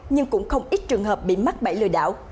nhưng cũng không ít trường hợp bị mắc bẫy lừa đảo